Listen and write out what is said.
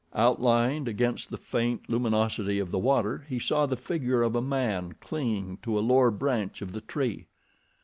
Outlined against the faint luminosity of the water he saw the figure of a man clinging to a lower branch of the tree.